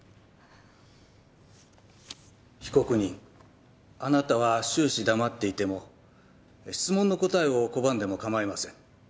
被告人あなたは終始黙っていても質問の答えを拒んでも構いません。